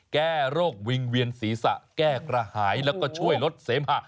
แก้โรควิงเวียนศีรษะแก้กระหายแล้วก็ช่วยลดเสมหะ